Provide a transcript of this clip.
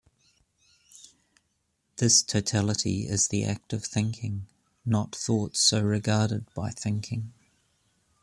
This totality is the act of thinking, not thoughts so regarded by thinking.